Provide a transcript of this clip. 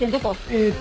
えっと。